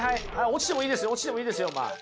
落ちてもいいですよ落ちてもいいですよまあ。